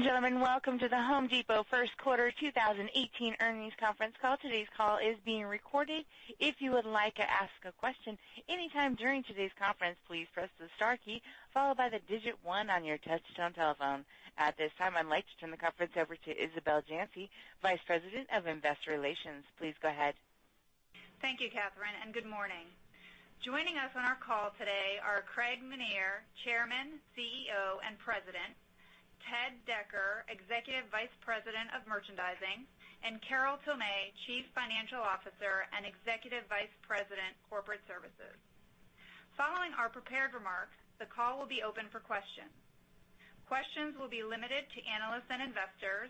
Good day, ladies and gentlemen. Welcome to The Home Depot First Quarter 2018 Earnings Conference Call. Today's call is being recorded. If you would like to ask a question any time during today's conference, please press the star key followed by the digit one on your touch-tone telephone. At this time, I'd like to turn the conference over to Isabel Janci, Vice President of Investor Relations. Please go ahead. Thank you, Catherine. Good morning. Joining us on our call today are Craig Menear, Chairman, CEO, and President, Ted Decker, Executive Vice President of Merchandising, and Carol Tomé, Chief Financial Officer and Executive Vice President, Corporate Services. Following our prepared remarks, the call will be open for questions. Questions will be limited to analysts and investors.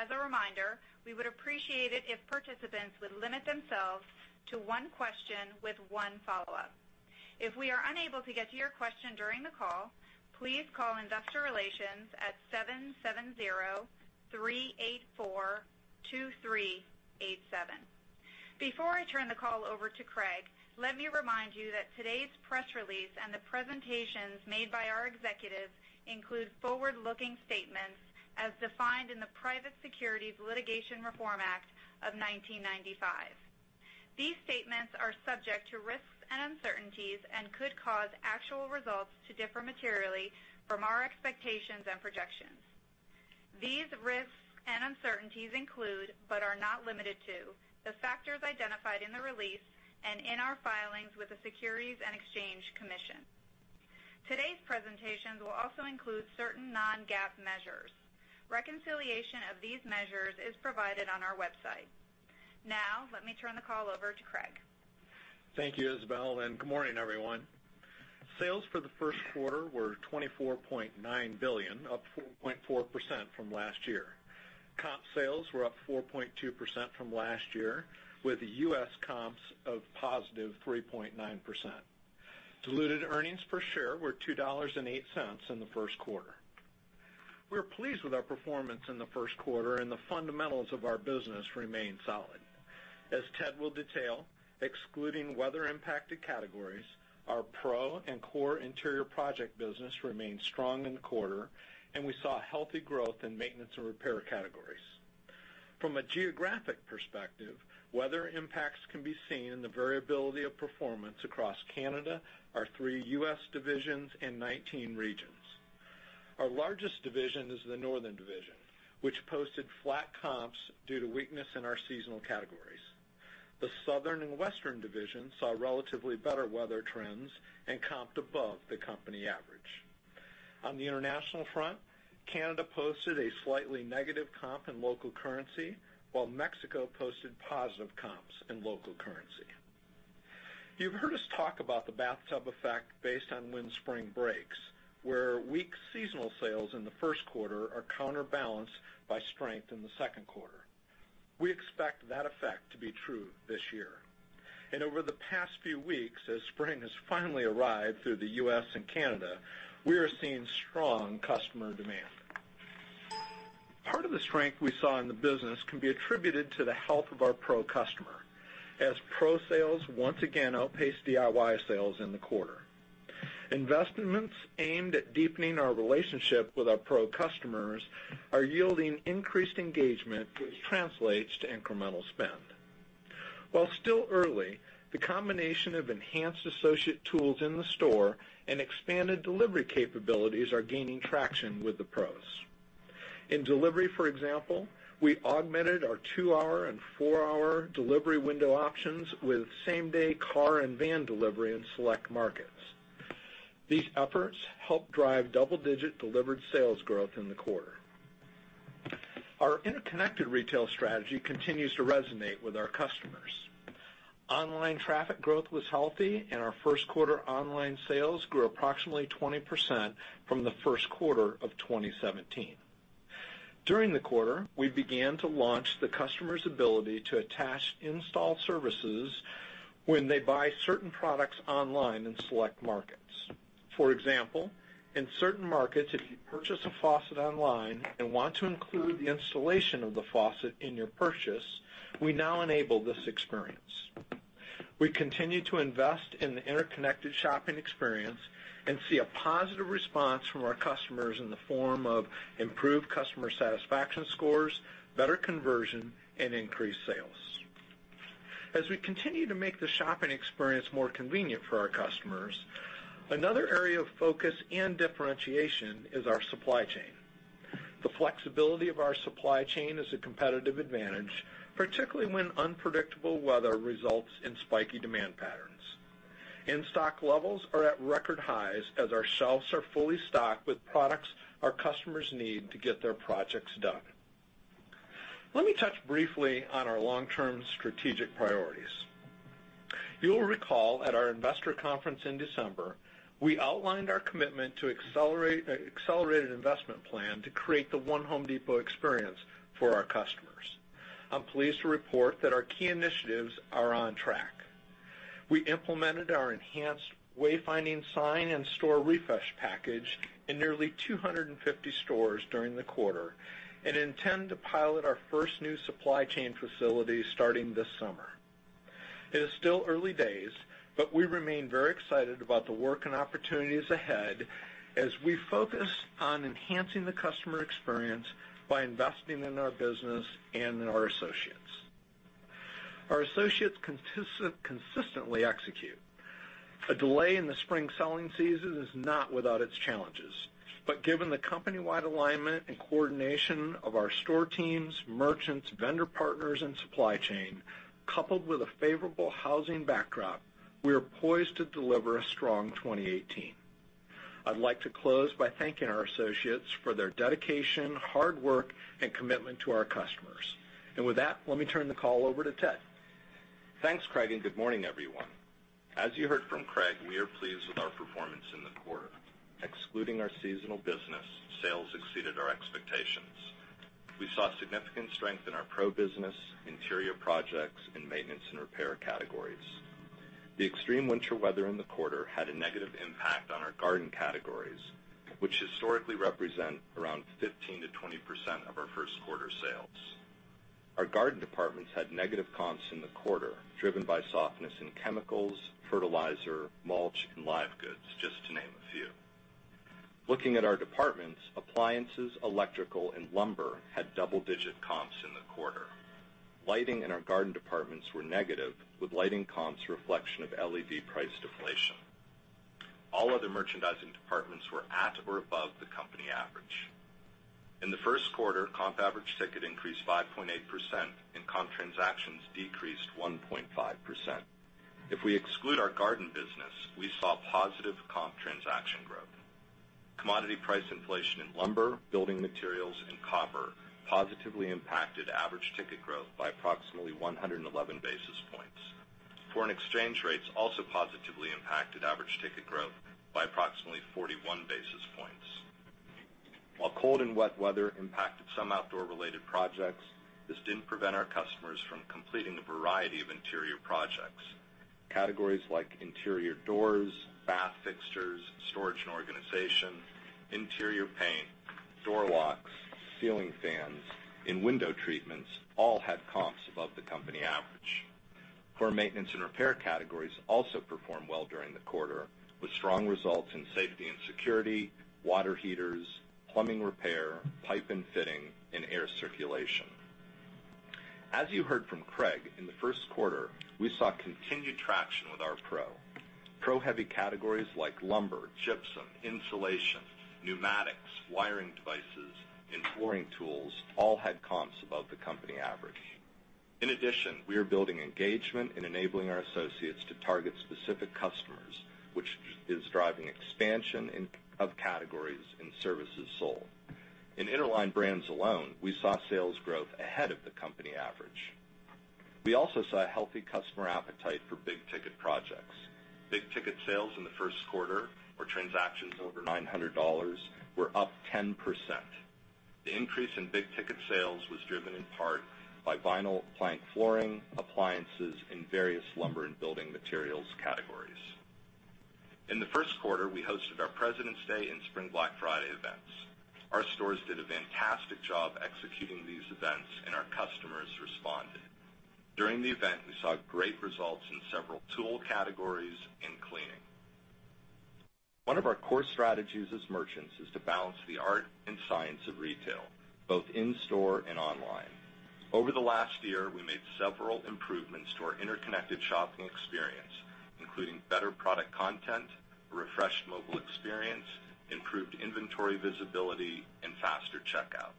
As a reminder, we would appreciate it if participants would limit themselves to one question with one follow-up. If we are unable to get to your question during the call, please call Investor Relations at 770-384-2387. Before I turn the call over to Craig, let me remind you that today's press release and the presentations made by our executives include forward-looking statements as defined in the Private Securities Litigation Reform Act of 1995. These statements are subject to risks and uncertainties and could cause actual results to differ materially from our expectations and projections. These risks and uncertainties include, but are not limited to, the factors identified in the release and in our filings with the Securities and Exchange Commission. Today's presentations will also include certain non-GAAP measures. Reconciliation of these measures is provided on our website. Now, let me turn the call over to Craig. Thank you, Isabel, good morning, everyone. Sales for the first quarter were $24.9 billion, up 4.4% from last year. Comp sales were up 4.2% from last year, with U.S. comps of +3.9%. Diluted earnings per share were $2.08 in the first quarter. We are pleased with our performance in the first quarter, and the fundamentals of our business remain solid. As Ted will detail, excluding weather-impacted categories, our pro and core interior project business remained strong in the quarter, and we saw healthy growth in maintenance and repair categories. From a geographic perspective, weather impacts can be seen in the variability of performance across Canada, our three U.S. divisions and 19 regions. Our largest division is the Northern Division, which posted flat comps due to weakness in our seasonal categories. The Southern and Western Division saw relatively better weather trends and comped above the company average. On the international front, Canada posted a slightly negative comp in local currency, while Mexico posted positive comps in local currency. You've heard us talk about the bathtub effect based on when spring breaks, where weak seasonal sales in the first quarter are counterbalanced by strength in the second quarter. We expect that effect to be true this year. Over the past few weeks, as spring has finally arrived through the U.S. and Canada, we are seeing strong customer demand. Part of the strength we saw in the business can be attributed to the health of our pro customer as pro sales, once again, outpaced DIY sales in the quarter. Investments aimed at deepening our relationship with our pro customers are yielding increased engagement, which translates to incremental spend. While still early, the combination of enhanced associate tools in the store and expanded delivery capabilities are gaining traction with the pros. In delivery, for example, we augmented our two-hour and four-hour delivery window options with same-day car and van delivery in select markets. These efforts helped drive double-digit delivered sales growth in the quarter. Our interconnected retail strategy continues to resonate with our customers. Online traffic growth was healthy, and our first quarter online sales grew approximately 20% from the first quarter of 2017. During the quarter, we began to launch the customer's ability to attach install services when they buy certain products online in select markets. For example, in certain markets, if you purchase a faucet online and want to include the installation of the faucet in your purchase, we now enable this experience. We continue to invest in the interconnected shopping experience and see a positive response from our customers in the form of improved customer satisfaction scores, better conversion, and increased sales. As we continue to make the shopping experience more convenient for our customers, another area of focus and differentiation is our supply chain. The flexibility of our supply chain is a competitive advantage, particularly when unpredictable weather results in spiky demand patterns. In-stock levels are at record highs as our shelves are fully stocked with products our customers need to get their projects done. Let me touch briefly on our long-term strategic priorities. You'll recall at our investor conference in December, we outlined our commitment to accelerated investment plan to create the one The Home Depot Experience for our customers. I'm pleased to report that our key initiatives are on track. We implemented our enhanced wayfinding sign and store refresh package in nearly 250 stores during the quarter and intend to pilot our first new supply chain facility starting this summer. It is still early days, we remain very excited about the work and opportunities ahead as we focus on enhancing the customer experience by investing in our business and in our associates. Our associates consistently execute. A delay in the spring selling season is not without its challenges. Given the company-wide alignment and coordination of our store teams, merchants, vendor partners, and supply chain, coupled with a favorable housing backdrop, we are poised to deliver a strong 2018. I'd like to close by thanking our associates for their dedication, hard work, and commitment to our customers. With that, let me turn the call over to Ted. Thanks, Craig. Good morning, everyone. As you heard from Craig, we are pleased with our performance in the quarter. Excluding our seasonal business, sales exceeded our expectations. We saw significant strength in our pro business, interior projects, and maintenance and repair categories. The extreme winter weather in the quarter had a negative impact on our garden categories, which historically represent around 15%-20% of our first quarter sales. Our garden departments had negative comps in the quarter, driven by softness in chemicals, fertilizer, mulch, and live goods, just to name a few. Looking at our departments, appliances, electrical, and lumber had double-digit comps in the quarter. Lighting and our garden departments were negative, with lighting comps reflection of LED price deflation. All other merchandising departments were at or above the company average. In the first quarter, comp average ticket increased 5.8% and comp transactions decreased 1.5%. If we exclude our garden business, we saw positive comp transaction growth. Commodity price inflation in lumber, building materials, and copper positively impacted average ticket growth by approximately 111 basis points. Foreign exchange rates also positively impacted average ticket growth by approximately 41 basis points. While cold and wet weather impacted some outdoor-related projects, this didn't prevent our customers from completing a variety of interior projects. Categories like interior doors, bath fixtures, storage and organization, interior paint, door locks, ceiling fans, and window treatments all had comps above the company average. Core maintenance and repair categories also performed well during the quarter, with strong results in safety and security, water heaters, plumbing repair, pipe and fitting, and air circulation. As you heard from Craig, in the first quarter, we saw continued traction with our pro. Pro-heavy categories like lumber, gypsum, insulation, pneumatics, wiring devices, and flooring tools all had comps above the company average. In addition, we are building engagement and enabling our associates to target specific customers, which is driving expansion of categories and services sold. In Interline Brands alone, we saw sales growth ahead of the company average. We also saw a healthy customer appetite for big ticket projects. Big ticket sales in the first quarter, or transactions over $900, were up 10%. The increase in big ticket sales was driven in part by vinyl plank flooring, appliances, and various lumber and building materials categories. In the first quarter, we hosted our President's Day and Spring Black Friday events. Our stores did a fantastic job executing these events, and our customers responded. During the event, we saw great results in several tool categories and cleaning. One of our core strategies as merchants is to balance the art and science of retail, both in store and online. Over the last year, we made several improvements to our interconnected shopping experience, including better product content, refreshed mobile experience, improved inventory visibility, and faster checkout.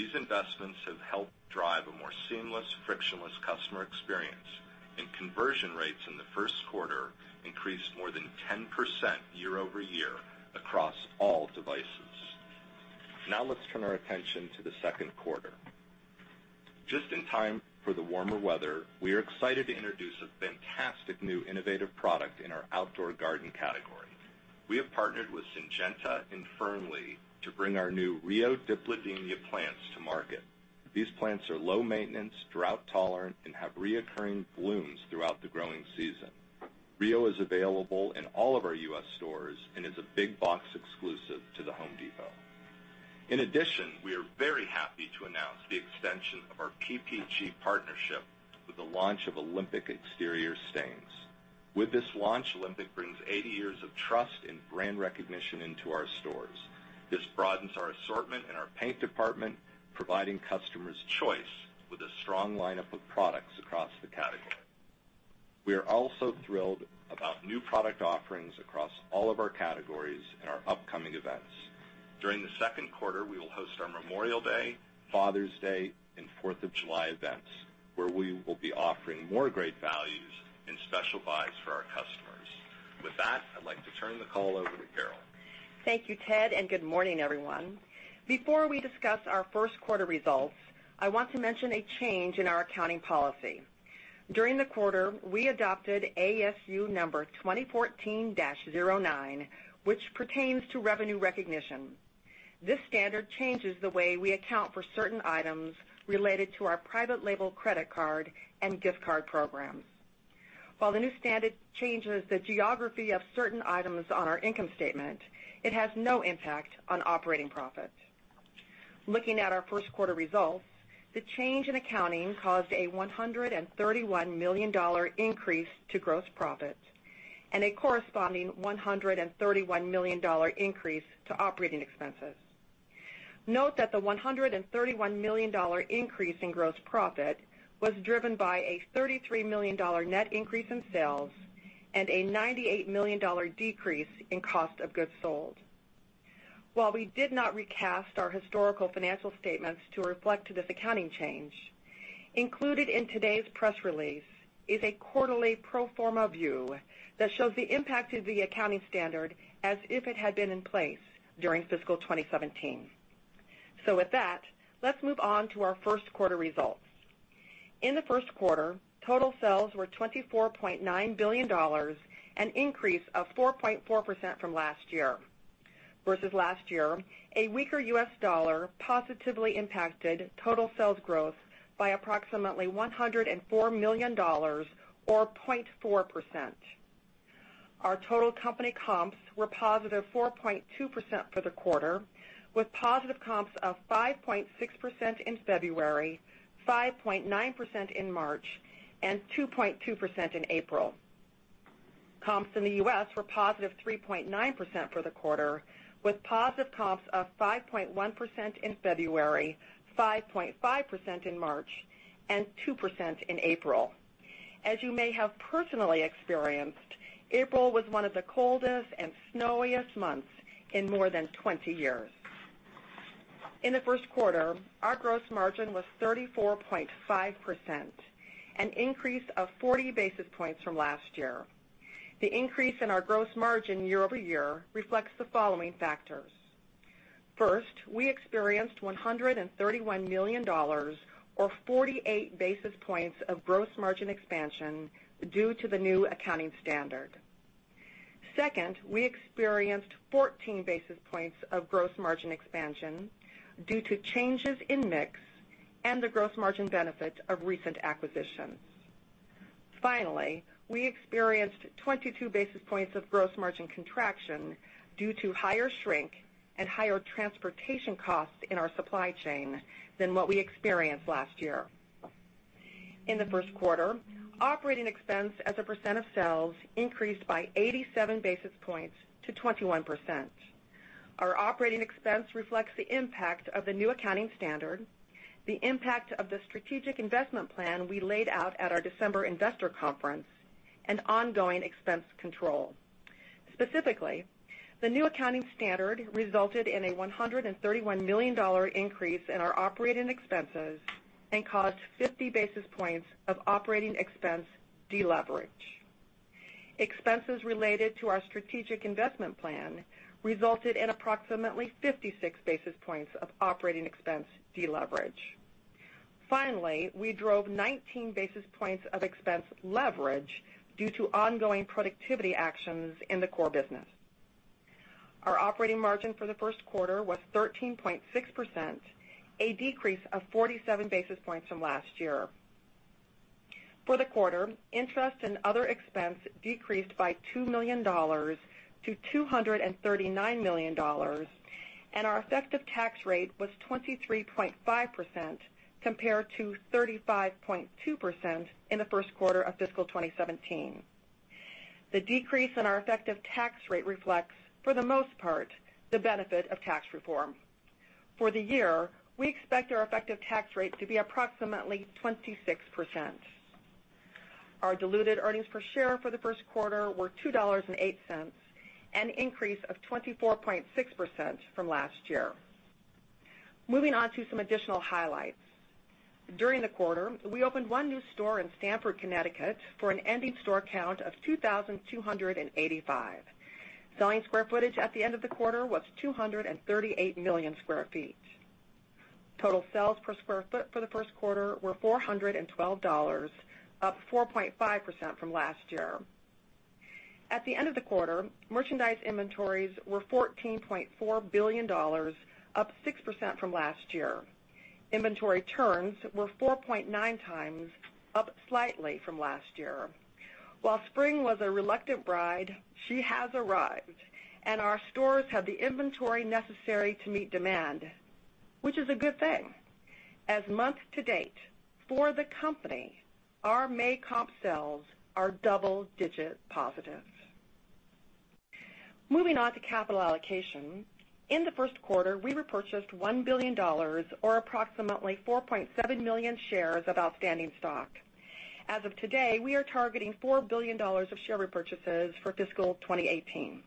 These investments have helped drive a more seamless, frictionless customer experience, and conversion rates in the first quarter increased more than 10% year-over-year across all devices. Now let's turn our attention to the second quarter. Just in time for the warmer weather, we are excited to introduce a fantastic new innovative product in our outdoor garden category. We have partnered with Syngenta and Fernlea to bring our new Rio dipladenia plants to market. These plants are low-maintenance, drought-tolerant, and have reoccurring blooms throughout the growing season. Rio is available in all of our U.S. stores and is a big box exclusive to The Home Depot. In addition, we are very happy to announce the extension of our PPG partnership with the launch of Olympic exterior stains. With this launch, Olympic brings 80 years of trust and brand recognition into our stores. This broadens our assortment in our paint department, providing customers choice with a strong lineup of products across the category. We are also thrilled about new product offerings across all of our categories and our upcoming events. During the second quarter, we will host our Memorial Day, Father's Day, and Fourth of July events, where we will be offering more great values and special buys for our customers. With that, I'd like to turn the call over to Carol. Thank you, Ted. Good morning, everyone. Before we discuss our first quarter results, I want to mention a change in our accounting policy. During the quarter, we adopted ASU 2014-09, which pertains to Revenue Recognition. This standard changes the way we account for certain items related to our private label credit card and gift card programs. While the new standard changes the geography of certain items on our income statement, it has no impact on operating profits. Looking at our first quarter results, the change in accounting caused a $131 million increase to gross profit and a corresponding $131 million increase to operating expenses. Note that the $131 million increase in gross profit was driven by a $33 million net increase in sales and a $98 million decrease in cost of goods sold. While we did not recast our historical financial statements to reflect this accounting change, included in today's press release is a quarterly pro forma view that shows the impact of the accounting standard as if it had been in place during fiscal 2017. With that, let's move on to our first quarter results. In the first quarter, total sales were $24.9 billion, an increase of 4.4% from last year. Versus last year, a weaker U.S. dollar positively impacted total sales growth by approximately $104 million, or 0.4%. Our total company comps were positive 4.2% for the quarter, with positive comps of 5.6% in February, 5.9% in March, and 2.2% in April. Comps in the U.S. were positive 3.9% for the quarter, with positive comps of 5.1% in February, 5.5% in March, and 2% in April. As you may have personally experienced, April was one of the coldest and snowiest months in more than 20 years. In the first quarter, our gross margin was 34.5%, an increase of 40 basis points from last year. The increase in our gross margin year-over-year reflects the following factors. First, we experienced $131 million or 48 basis points of gross margin expansion due to the new accounting standard. Second, we experienced 14 basis points of gross margin expansion due to changes in mix and the gross margin benefit of recent acquisitions. We experienced 22 basis points of gross margin contraction due to higher shrink and higher transportation costs in our supply chain than what we experienced last year. In the first quarter, operating expense as a percent of sales increased by 87 basis points to 21%. Our operating expense reflects the impact of the new accounting standard, the impact of the strategic investment plan we laid out at our December investor conference, and ongoing expense control. The new accounting standard resulted in a $131 million increase in our operating expenses and caused 50 basis points of operating expense deleverage. Expenses related to our strategic investment plan resulted in approximately 56 basis points of operating expense deleverage. Finally, we drove 19 basis points of expense leverage due to ongoing productivity actions in the core business. Our operating margin for the first quarter was 13.6%, a decrease of 47 basis points from last year. For the quarter, interest and other expense decreased by $2 million to $239 million, and our effective tax rate was 23.5% compared to 35.2% in the first quarter of fiscal 2017. The decrease in our effective tax rate reflects, for the most part, the benefit of tax reform. For the year, we expect our effective tax rate to be approximately 26%. Our diluted earnings per share for the first quarter were $2.08, an increase of 24.6% from last year. Moving on to some additional highlights. During the quarter, we opened one new store in Stamford, Connecticut, for an ending store count of 2,285. Selling square footage at the end of the quarter was 238 million sq ft. Total sales per square foot for the first quarter were $412, up 4.5% from last year. At the end of the quarter, merchandise inventories were $14.4 billion, up 6% from last year. Inventory turns were 4.9x, up slightly from last year. While spring was a reluctant bride, she has arrived, and our stores have the inventory necessary to meet demand, which is a good thing. As month-to-date, for The Home Depot, our May comp sales are double-digit positive. Moving on to capital allocation. In the first quarter, we repurchased $1 billion, or approximately 4.7 million shares of outstanding stock. As of today, we are targeting $4 billion of share repurchases for fiscal 2018.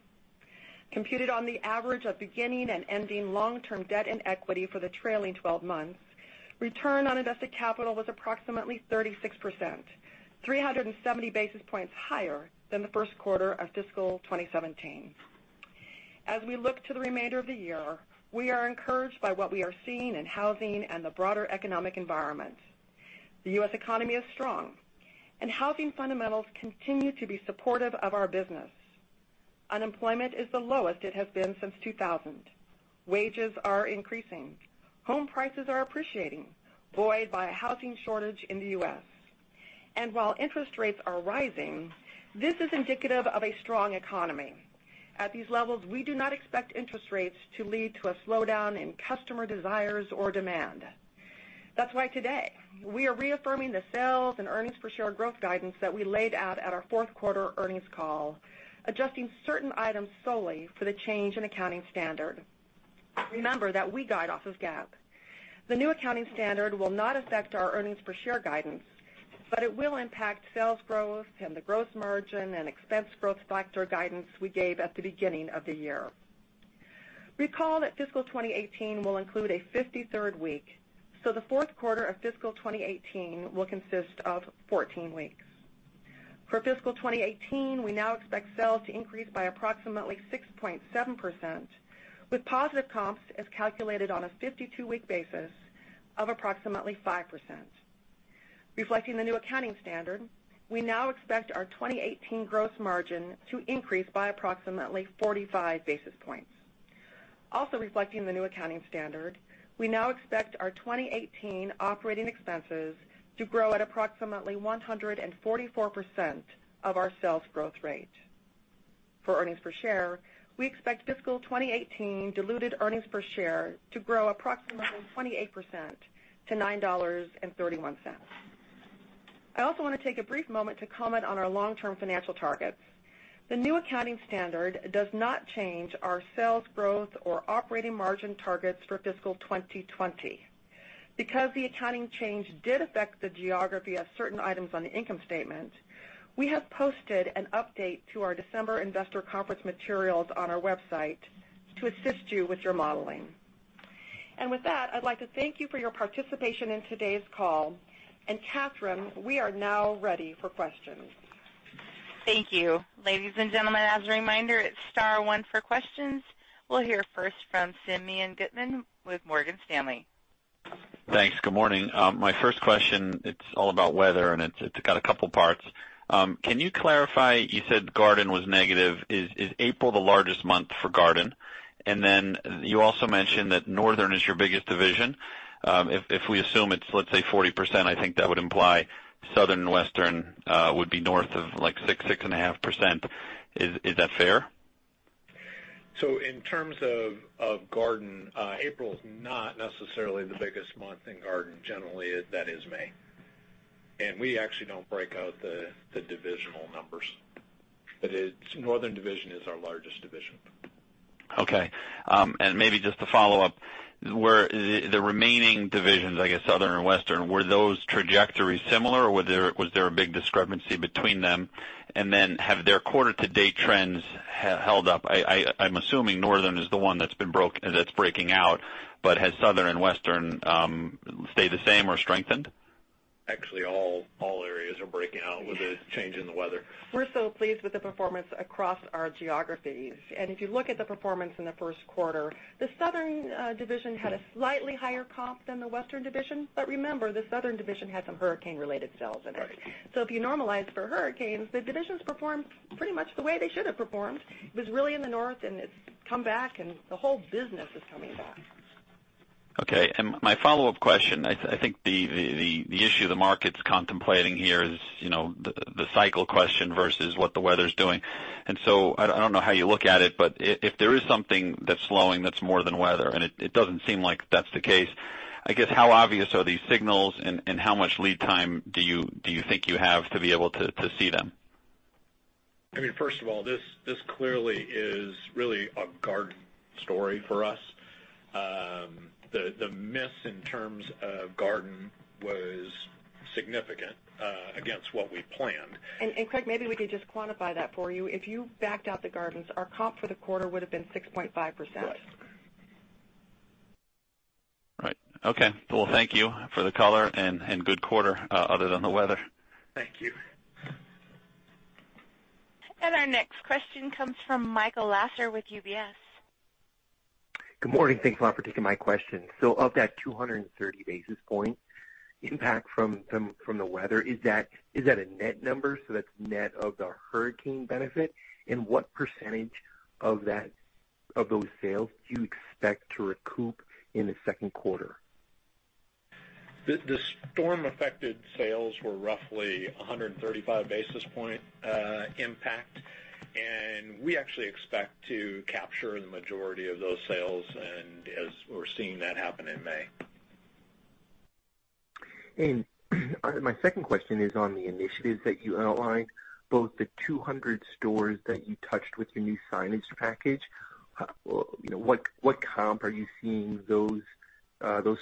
Computed on the average of beginning and ending long-term debt and equity for the trailing 12 months, return on invested capital was approximately 36%, 370 basis points higher than the first quarter of fiscal 2017. As we look to the remainder of the year, we are encouraged by what we are seeing in housing and the broader economic environment. The U.S. economy is strong and housing fundamentals continue to be supportive of our business. Unemployment is the lowest it has been since 2000. Wages are increasing. Home prices are appreciating, buoyed by a housing shortage in the U.S. While interest rates are rising, this is indicative of a strong economy. At these levels, we do not expect interest rates to lead to a slowdown in customer desires or demand. That's why today we are reaffirming the sales and earnings per share growth guidance that we laid out at our fourth quarter earnings call, adjusting certain items solely for the change in accounting standard. Remember that we guide off of GAAP. The new accounting standard will not affect our earnings per share guidance, but it will impact sales growth and the gross margin and expense growth factor guidance we gave at the beginning of the year. Recall that fiscal 2018 will include a 53rd week, so the fourth quarter of fiscal 2018 will consist of 14 weeks. For fiscal 2018, we now expect sales to increase by approximately 6.7%, with positive comps as calculated on a 52-week basis of approximately 5%. Reflecting the new accounting standard, we now expect our 2018 gross margin to increase by approximately 45 basis points. Reflecting the new accounting standard, we now expect our 2018 operating expenses to grow at approximately 144% of our sales growth rate. For earnings per share, we expect fiscal 2018 diluted earnings per share to grow approximately 28% to $9.31. I also wanna take a brief moment to comment on our long-term financial targets. The new accounting standard does not change our sales growth or operating margin targets for fiscal 2020. Because the accounting change did affect the geography of certain items on the income statement, we have posted an update to our December investor conference materials on our website to assist you with your modeling. With that, I'd like to thank you for your participation in today's call. Catherine, we are now ready for questions. Thank you. Ladies and gentlemen, as a reminder, it's star one for questions. We'll hear first from Simeon Gutman with Morgan Stanley. Thanks. Good morning. My first question, it's all about weather, it's got a couple parts. Can you clarify, you said garden was negative. Is April the largest month for garden? You also mentioned that Northern is your biggest division. If we assume it's, let's say, 40%, I think that would imply Southern and Western would be north of, like, 6%, 6.5%. Is that fair? In terms of garden, April is not necessarily the biggest month in garden. Generally, that is May. We actually don't break out the divisional numbers. Northern Division is our largest division. Okay. Maybe just to follow up, where the remaining divisions, I guess Southern and Western Divisions, were those trajectories similar, or was there a big discrepancy between them? Have their quarter to date trends held up? I'm assuming Northern Division is the one that's breaking out, but has Southern and Western Divisions stayed the same or strengthened? Actually, all areas are breaking out with the change in the weather. We're so pleased with the performance across our geographies. If you look at the performance in the first quarter, the Southern Division had a slightly higher comp than the Western Division. Remember, the Southern Division had some hurricane-related sales in it. If you normalize for hurricanes, the divisions performed pretty much the way they should have performed. It was really in the North, and it's come back, and the whole business is coming back. Okay. My follow-up question, I think the issue the market's contemplating here is, you know, the cycle question versus what the weather's doing. I don't know how you look at it, but if there is something that's slowing that's more than weather, and it doesn't seem like that's the case, I guess, how obvious are these signals and how much lead time do you think you have to be able to see them? I mean, first of all, this clearly is really a garden story for us. The miss in terms of garden was significant against what we planned. Craig, maybe we could just quantify that for you. If you backed out the gardens, our comp for the quarter would have been 6.5%. Right. Okay. Well, thank you for the color and good quarter, other than the weather. Thank you. Our next question comes from Michael Lasser with UBS. Good morning. Thanks a lot for taking my question. Of that 230 basis points impact from the weather, is that a net number, so that's net of the hurricane benefit? What percentage of those sales do you expect to recoup in the second quarter? The storm-affected sales were roughly 135 basis point impact, and we actually expect to capture the majority of those sales, and as we're seeing that happen in May. My second question is on the initiatives that you outlined, both the 200 stores that you touched with your new signage package, you know, what comp are you seeing those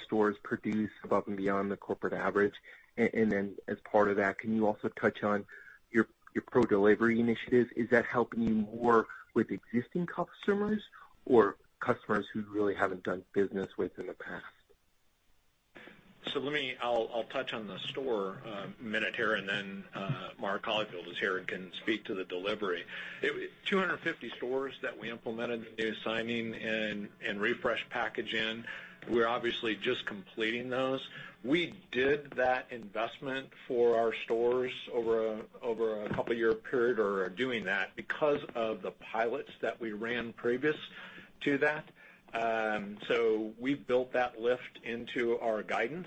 stores produce above and beyond the corporate average? Then as part of that, can you also touch on your pro delivery initiatives? Is that helping you more with existing customers or customers who really haven't done business with in the past? Let me I'll touch on the store minute here, and then Mark Holifield is here and can speak to the delivery. 250 stores that we implemented the new signing and refresh package in, we're obviously just completing those. We did that investment for our stores over a couple year period or are doing that because of the pilots that we ran previous. To that. We've built that lift into our guidance.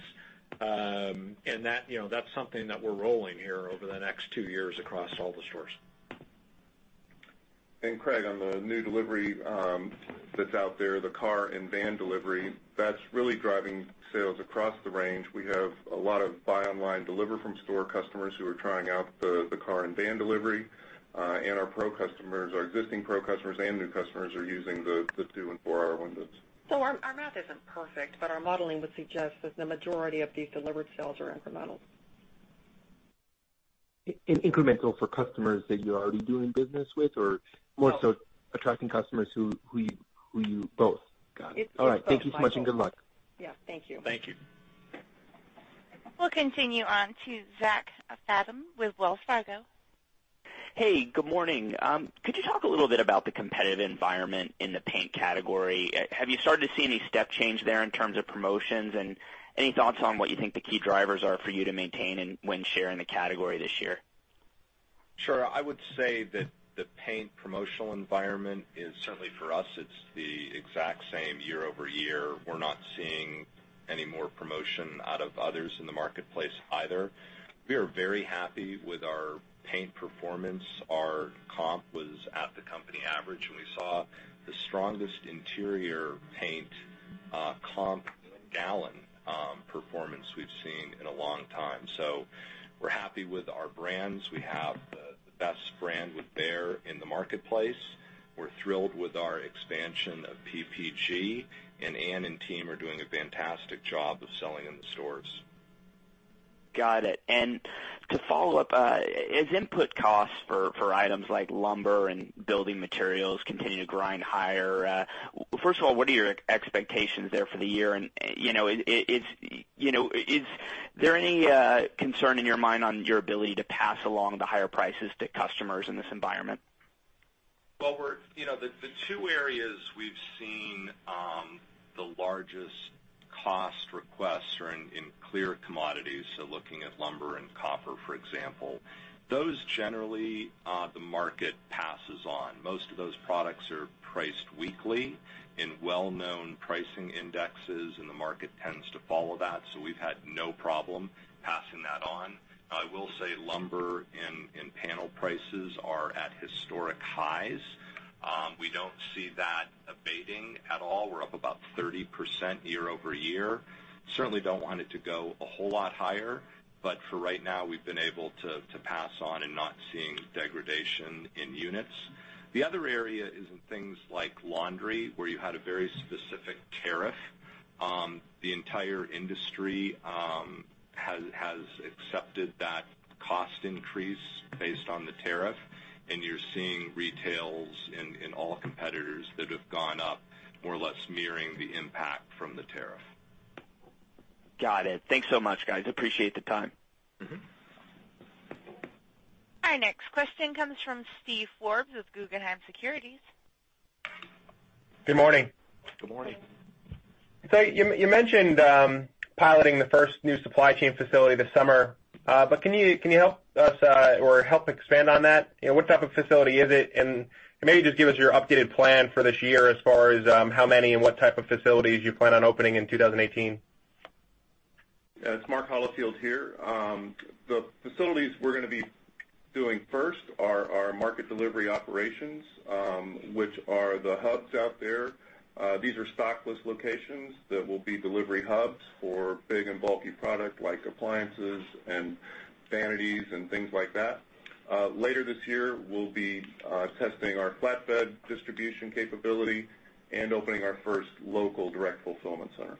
That, you know, that's something that we're rolling here over the next two years across all the stores. Craig, on the new delivery, that's out there, the car and van delivery, that's really driving sales across the range. We have a lot of buy online deliver from store customers who are trying out the car and van delivery. Our pro customers, our existing pro customers and new customers are using the two and four-hour windows. Our math isn't perfect, but our modeling would suggest that the majority of these delivered sales are incremental. In incremental for customers that you're already doing business with. No. More so attracting customers who you. Both. Got it. It's both Michael. All right. Thank you so much and good luck. Yeah. Thank you. Thank you. We'll continue on to Zachary Fadem with Wells Fargo. Good morning. Could you talk a little bit about the competitive environment in the paint category? Have you started to see any step change there in terms of promotions? Any thoughts on what you think the key drivers are for you to maintain and win share in the category this year? Sure. I would say that the paint promotional environment is certainly for us, it's the exact same year-over-year. We're not seeing any more promotion out of others in the marketplace either. We are very happy with our paint performance. Our comp was at the company average. We saw the strongest interior paint comp and gallon performance we've seen in a long time. We're happy with our brands. We have the best brand with Behr in the marketplace. We're thrilled with our expansion of PPG. Ann and team are doing a fantastic job of selling in the stores. Got it. To follow up, as input costs for items like lumber and building materials continue to grind higher, first of all, what are your expectations there for the year? You know, is there any concern in your mind on your ability to pass along the higher prices to customers in this environment? Well, you know, the two areas we've seen, the largest cost requests are in clear commodities, so looking at lumber and copper, for example. Those generally, the market passes on. Most of those products are priced weekly in well-known pricing indexes, and the market tends to follow that. We've had no problem passing that on. I will say lumber and panel prices are at historic highs. We don't see that abating at all. We're up about 30% year-over-year. Certainly don't want it to go a whole lot higher. For right now, we've been able to pass on and not seeing degradation in units. The other area is in things like laundry, where you had a very specific tariff. The entire industry has accepted that cost increase based on the tariff. You're seeing retails in all competitors that have gone up more or less mirroring the impact from the tariff. Got it. Thanks so much, guys. Appreciate the time. Our next question comes from Steve Forbes with Guggenheim Securities. Good morning. Good morning. You mentioned piloting the first new supply chain facility this summer. Can you help us or help expand on that? You know, what type of facility is it? Maybe just give us your updated plan for this year as far as how many and what type of facilities you plan on opening in 2018. Yeah. It's Mark Holifield here. The facilities we're going to be doing first are our market delivery operations, which are the hubs out there. These are stockless locations that will be delivery hubs for big and bulky product like appliances and vanities and things like that. Later this year, we'll be testing our flatbed distribution capability and opening our first local direct fulfillment center.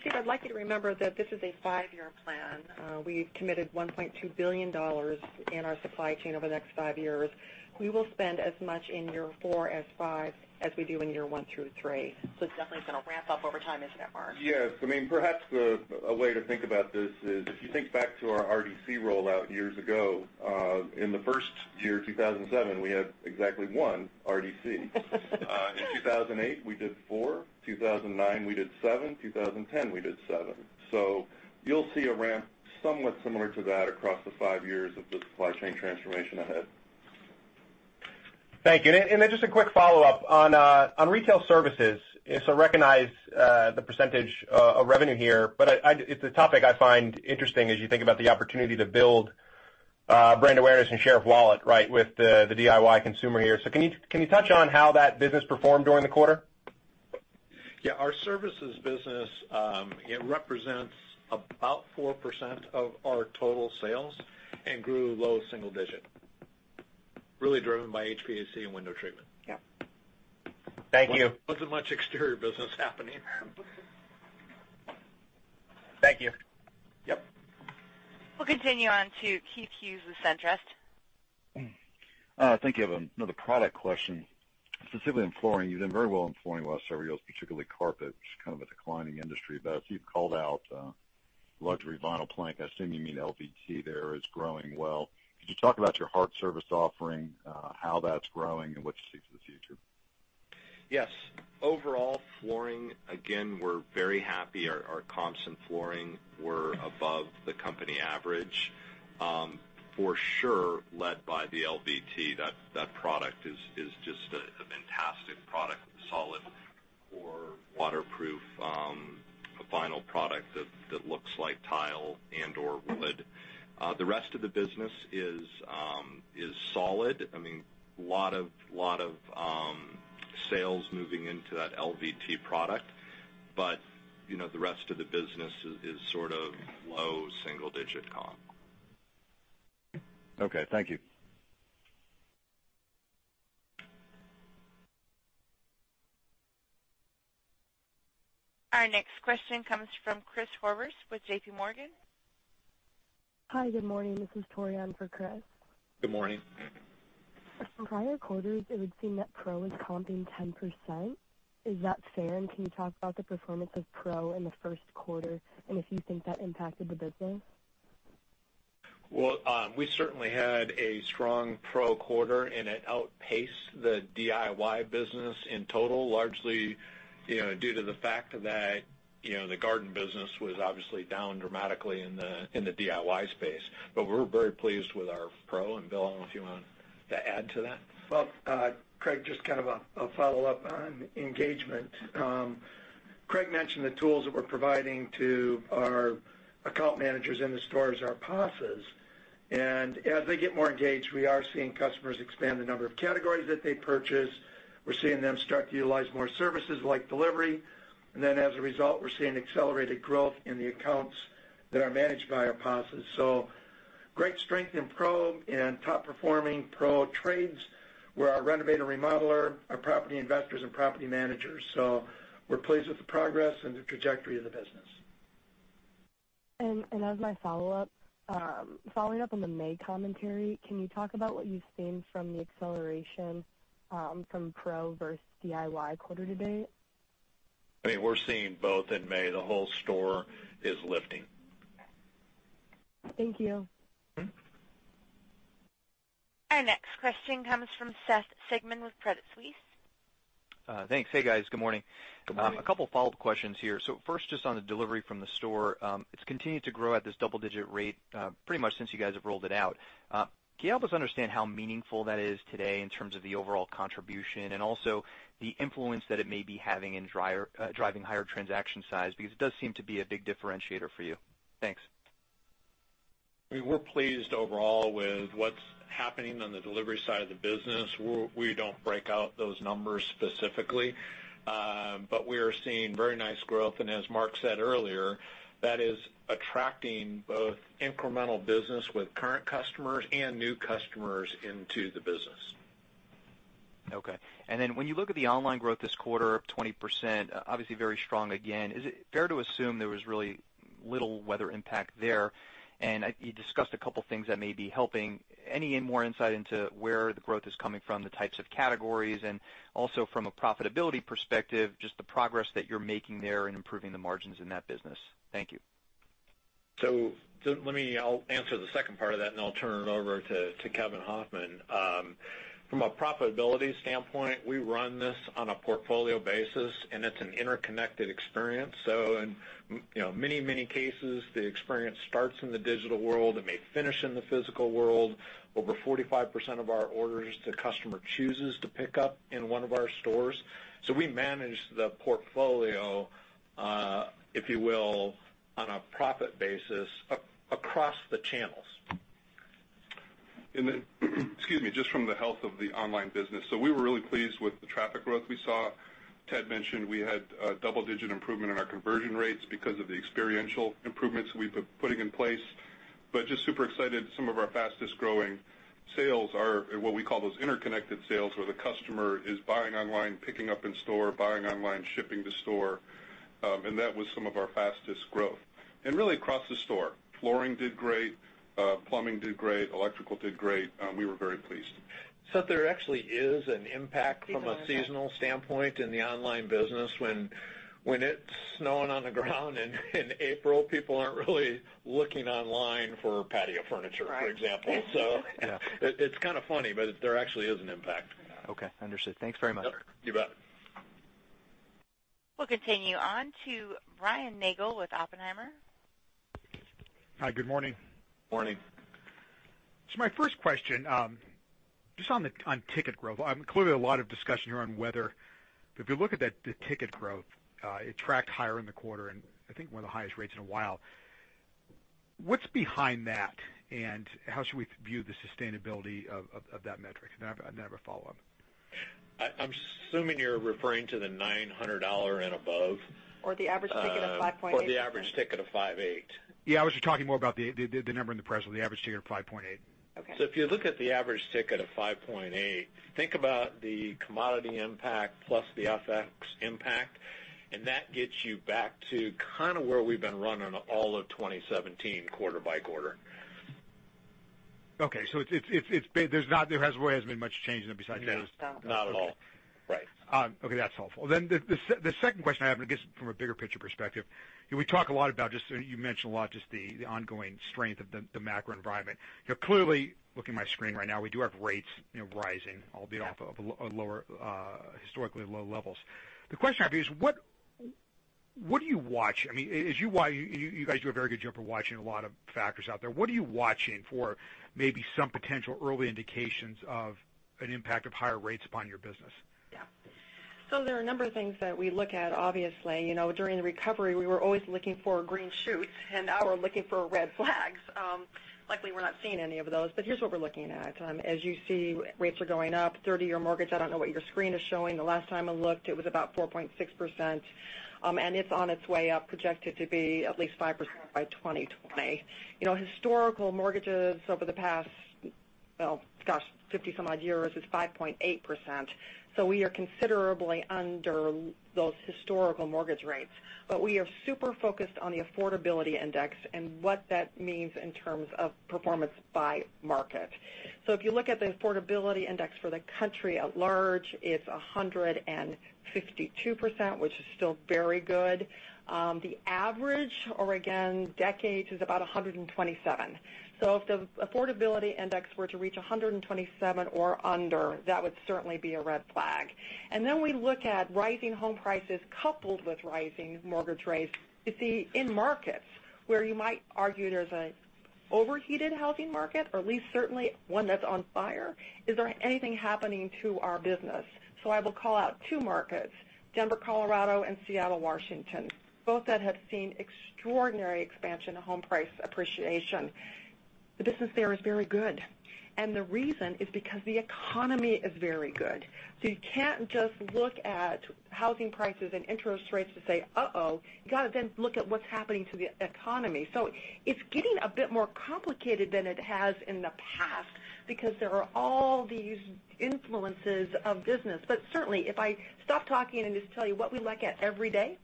Steve, I'd like you to remember that this is a five-year plan. We've committed $1.2 billion in our supply chain over the next five years. We will spend as much in year 4 as 5 as we do in year 1 through 3. It's definitely gonna ramp up over time. Isn't it, Mark? Yes. I mean, perhaps a way to think about this is if you think back to our RDC rollout years ago, in the first year, 2007, we had exactly one RDC. In 2008, we did four. 2009, we did seven. 2010, we did seven. You'll see a ramp somewhat similar to that across the five years of the supply chain transformation ahead. Thank you. Then just a quick follow-up. On retail services, it's recognized the percentage of revenue here, but it's a topic I find interesting as you think about the opportunity to build brand awareness and share of wallet, right, with the DIY consumer here. Can you touch on how that business performed during the quarter? Yeah. Our services business, it represents about 4% of our total sales and grew low single digit, really driven by HVAC and window treatment. Yep. Thank you. Wasn't much exterior business happening. Thank you. Yep. We'll continue on to Keith Hughes with SunTrust. I think you have another product question. Specifically in flooring, you've done very well in flooring the last several years, particularly carpet, which is kind of a declining industry. As you've called out, luxury vinyl plank, I assume you mean LVT there is growing well. Could you talk about your hard surface offering, how that's growing and what you see for the future? Yes. Overall, flooring, again, we're very happy. Our comps in flooring were above the company average, for sure led by the LVT. That product is just a fantastic product with solid or waterproof, a vinyl product that looks like tile and or wood. The rest of the business is solid. I mean, lot of sales moving into that LVT product. You know, the rest of the business is sort of low single-digit comp. Okay. Thank you. Our next question comes from Chris Horvers with JPMorgan. Hi, good morning. This is Torian for Chris. Good morning. From prior quarters, it would seem that Pro is comping 10%. Is that fair? Can you talk about the performance of Pro in the first quarter, and if you think that impacted the business? Well, we certainly had a strong Pro quarter. It outpaced the DIY business in total, largely, you know, due to the fact that, you know, the garden business was obviously down dramatically in the, in the DIY space. But we're very pleased with our Pro. Bill, I don't know if you want to add to that. Well, Craig, just kind of a follow-up on engagement. Craig mentioned the tools that we're providing to our account managers in the stores are PASAs. As they get more engaged, we are seeing customers expand the number of categories that they purchase. We're seeing them start to utilize more services like delivery. As a result, we're seeing accelerated growth in the accounts that are managed by our PASA. Great strength in Pro and top-performing Pro trades were our renovator/remodeler, our property investors, and property managers. We're pleased with the progress and the trajectory of the business. As my follow-up, following up on the May commentary, can you talk about what you've seen from the acceleration, from Pro versus DIY quarter-to-date? I mean, we're seeing both in May. The whole store is lifting. Thank you. Our next question comes from Seth Sigman with Credit Suisse. Thanks. Hey, guys. Good morning. Good morning. A couple follow-up questions here. First, just on the delivery from the store. It's continued to grow at this double-digit rate, pretty much since you guys have rolled it out. Can you help us understand how meaningful that is today in terms of the overall contribution and also the influence that it may be having in driving higher transaction size? Because it does seem to be a big differentiator for you. Thanks. We're pleased overall with what's happening on the delivery side of the business. We don't break out those numbers specifically. We are seeing very nice growth. As Mark said earlier, that is attracting both incremental business with current customers and new customers into the business. Okay. When you look at the online growth this quarter of 20%, obviously very strong again, is it fair to assume there was really little weather impact there? You discussed a couple things that may be helping. Any and more insight into where the growth is coming from, the types of categories, and also from a profitability perspective, just the progress that you're making there in improving the margins in that business. Thank you. I'll answer the second part of that, and I'll turn it over to Kevin Hofmann. From a profitability standpoint, we run this on a portfolio basis, and it's an interconnected experience. In, you know, many cases, the experience starts in the digital world. It may finish in the physical world. Over 45% of our orders, the customer chooses to pick up in one of our stores. We manage the portfolio, if you will, on a profit basis across the channels. Just from the health of the online business. We were really pleased with the traffic growth we saw. Ted mentioned we had double-digit improvement in our conversion rates because of the experiential improvements we've been putting in place. Super excited. Some of our fastest-growing sales are what we call those interconnected sales, where the customer is buying online, picking up in store, buying online, shipping to store. That was some of our fastest growth. Really across the store. Flooring did great. Plumbing did great. Electrical did great. We were very pleased. Seth, there actually is an impact from a seasonal standpoint in the online business. When it's snowing on the ground in April, people aren't really looking online for patio furniture. Right. for example. Yeah. It's kind of funny, but there actually is an impact. Okay, understood. Thanks very much. Yep, you bet. We'll continue on to Brian Nagel with Oppenheimer. Hi, good morning. Morning. My first question, just on ticket growth. Clearly a lot of discussion here on weather. If you look at that, the ticket growth, it tracked higher in the quarter and I think one of the highest rates in a while. What's behind that, and how should we view the sustainability of that metric? I have a follow-up. I'm assuming you're referring to the $900 and above. The average ticket of $5.8. The average ticket of $5.80. I was just talking more about the number in the press release, the average ticket of $5.8. Okay. If you look at the average ticket of $5.8, think about the commodity impact plus the FX impact, that gets you back to kind of where we've been running all of 2017 quarter by quarter. Okay. There really hasn't been much change then besides that. No. Not at all. Right. Okay, that's helpful. The second question I have, and I guess from a bigger picture perspective, you know, we talk a lot about just, you mentioned a lot just the ongoing strength of the macro environment. You know, clearly, looking at my screen right now, we do have rates, you know, rising, albeit off of lower historically low levels. The question I have is. What do you watch? I mean, You guys do a very good job of watching a lot of factors out there. What are you watching for maybe some potential early indications of an impact of higher rates upon your business? Yeah. There are a number of things that we look at. Obviously, you know, during the recovery, we were always looking for green shoots, and now we're looking for red flags. Luckily, we're not seeing any of those, but here's what we're looking at. As you see, rates are going up. 30-year mortgage, I don't know what your screen is showing. The last time I looked, it was about 4.6%, and it's on its way up, projected to be at least 5% by 2020. You know, historical mortgages over the past, well, gosh, 50 some odd years is 5.8%. We are considerably under those historical mortgage rates. We are super focused on the affordability index and what that means in terms of performance by market. If you look at the affordability index for the country at large, it's 152%, which is still very good. The average or again decades is about 127. If the affordability index were to reach 127 or under, that would certainly be a red flag. Then we look at rising home prices coupled with rising mortgage rates to see in markets where you might argue there's an overheated housing market, or at least certainly one that's on fire, is there anything happening to our business? I will call out two markets, Denver, Colorado, and Seattle, Washington, both that have seen extraordinary expansion in home price appreciation. The business there is very good, and the reason is because the economy is very good. You can't just look at housing prices and interest rates to say, "Uh-oh," you gotta then look at what's happening to the economy. It's getting a bit more complicated than it has in the past because there are all these influences of business. Certainly, if I stop talking and just tell you what we look at every day,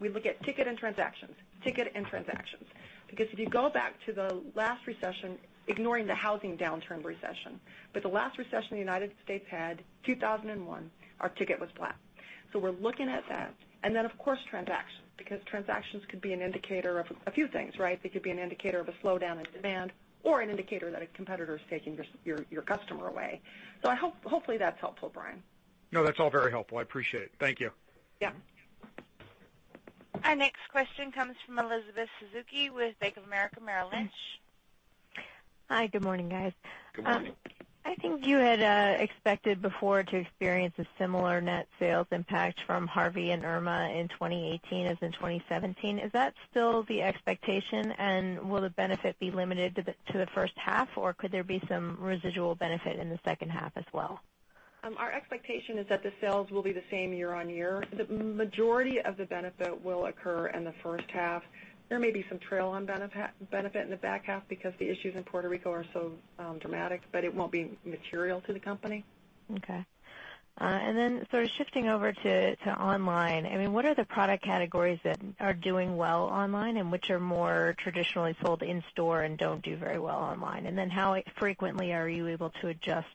we look at ticket and transactions, ticket and transactions. If you go back to the last recession, ignoring the housing downturn recession, but the last recession in the U.S. had 2001, our ticket was flat. We're looking at that. Then, of course, transactions, because transactions could be an indicator of a few things, right? They could be an indicator of a slowdown in demand or an indicator that a competitor is taking your customer away. Hopefully that's helpful, Brian. No, that's all very helpful. I appreciate it. Thank you. Yeah. Our next question comes from Elizabeth Suzuki with Bank of America Merrill Lynch. Hi. Good morning, guys. Good morning. I think you had expected before to experience a similar net sales impact from Harvey and Irma in 2018 as in 2017. Is that still the expectation, and will the benefit be limited to the first half, or could there be some residual benefit in the second half as well? Our expectation is that the sales will be the same year-on-year. The majority of the benefit will occur in the first half. There may be some trail on benefit in the back half because the issues in Puerto Rico are so dramatic, but it won't be material to the company. Okay. Sort of shifting over to online, I mean, what are the product categories that are doing well online and which are more traditionally sold in store and don't do very well online? How frequently are you able to adjust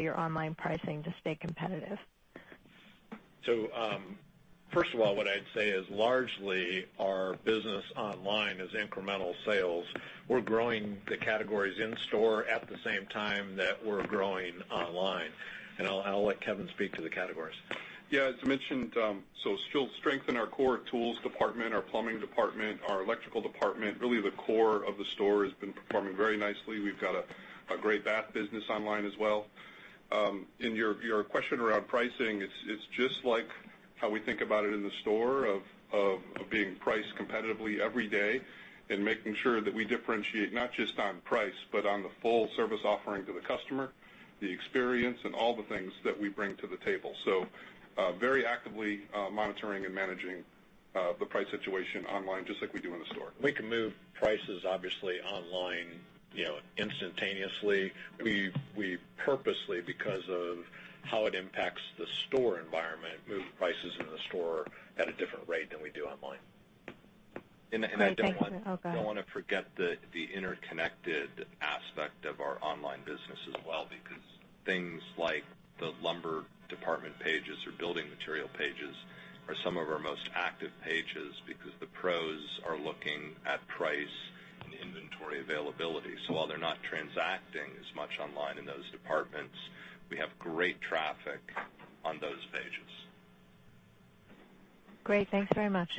your online pricing to stay competitive? First of all, what I'd say is largely our business online is incremental sales. We're growing the categories in store at the same time that we're growing online. I'll let Kevin speak to the categories. As mentioned, still strength in our core tools department, our plumbing department, our electrical department. Really, the core of the store has been performing very nicely. We've got a great bath business online as well. In your question around pricing, it's just like how we think about it in the store of being priced competitively every day and making sure that we differentiate not just on price, but on the full service offering to the customer, the experience and all the things that we bring to the table. Very actively monitoring and managing the price situation online just like we do in the store. We can move prices obviously online, you know, instantaneously. We purposely, because of how it impacts the store environment, move prices in the store at a different rate than we do online. Great. Thank you. Oh, go ahead. I don't wanna forget the interconnected aspect of our online business as well because things like the lumber department pages or building material pages are some of our most active pages because the pros are looking at price and inventory availability. While they're not transacting as much online in those departments, we have great traffic on those pages. Great. Thanks very much.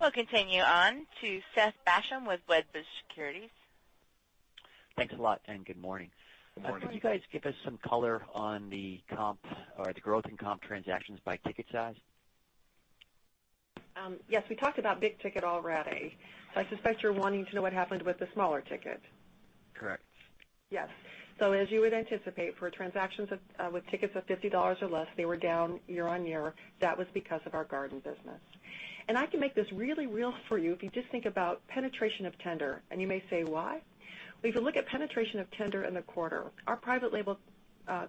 We'll continue on to Seth Basham with Wedbush Securities. Thanks a lot, and good morning. Good morning. Can you guys give us some color on the comp or the growth in comp transactions by ticket size? Yes. We talked about big ticket already. I suspect you're wanting to know what happened with the smaller ticket. Correct. Yes. As you would anticipate for transactions with tickets of $50 or less, they were down year-over-year. That was because of our garden business. I can make this really real for you if you just think about penetration of tender. You may say, "Why?" If you look at penetration of tender in the quarter, our private label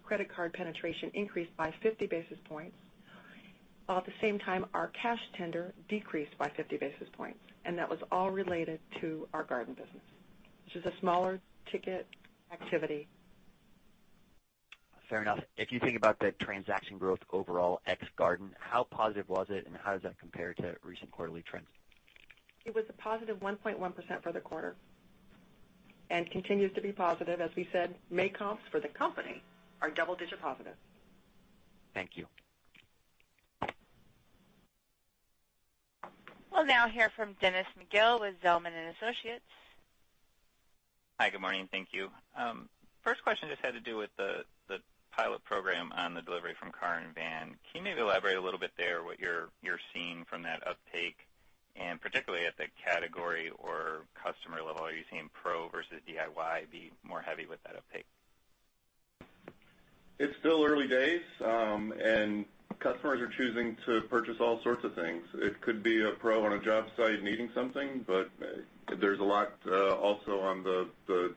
credit card penetration increased by 50 basis points. While at the same time, our cash tender decreased by 50 basis points, and that was all related to our garden business, which is a smaller ticket activity. Fair enough. If you think about the transaction growth overall, ex garden, how positive was it, and how does that compare to recent quarterly trends? It was a positive 1.1% for the quarter. Continues to be positive. As we said, May comps for the company are double-digit positive. Thank you. We'll now hear from Dennis McGill with Zelman & Associates. Hi, good morning. Thank you. First question just had to do with the pilot program on the delivery from car and van. Can you maybe elaborate a little bit there what you're seeing from that uptake, and particularly at the category or customer level, are you seeing Pro versus DIY be more heavy with that uptake? It's still early days. Customers are choosing to purchase all sorts of things. It could be a pro on a job site needing something. There's a lot also on the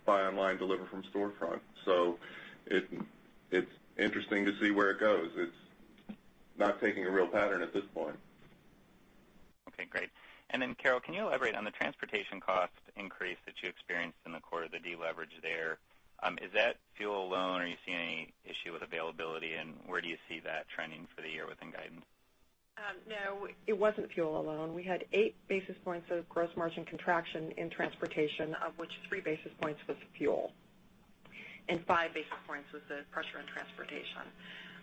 buy online deliver from storefront. It's interesting to see where it goes. It's not taking a real pattern at this point. Okay, great. Carol, can you elaborate on the transportation cost increase that you experienced in the quarter, the deleverage there? Is that fuel alone, or are you seeing any issue with availability, and where do you see that trending for the year within guidance? No, it wasn't fuel alone. We had 8 basis points of gross margin contraction in transportation, of which 3 basis points was fuel, and 5 basis points was the pressure in transportation.